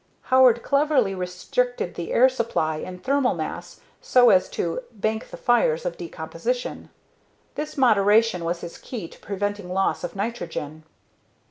Howard cleverly restricted the air supply and thermal mass so as to "bank the fires" of decomposition. This moderation was his key to preventing loss of nitrogen.